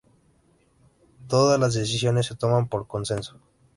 Todas las decisiones se toman por consenso.